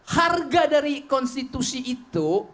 harga dari konstitusi itu